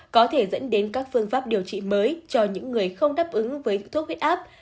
có thể dẫn đến các phương pháp điều trị mới cho những người không đáp ứng với thuốc huyết áp